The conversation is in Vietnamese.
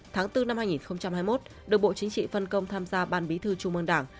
tháng bốn năm hai nghìn hai mươi một được bộ chính trị phân công tham gia ban bí thư trung mương đảng